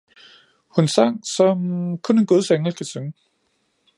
Hun sang som kun en guds engel kan synge